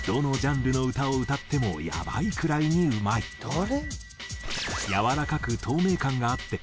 「誰？」